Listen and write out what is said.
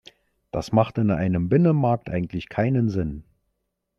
Das macht in einem Binnenmarkt eigentlich keinen Sinn.